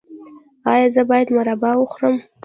ایا زه باید مربا وخورم؟